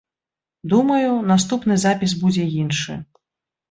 Думаю, наступны запіс будзе іншы.